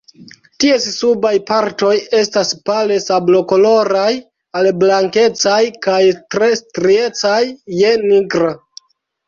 Ties subaj partoj estas pale sablokoloraj al blankecaj kaj tre striecaj je nigra.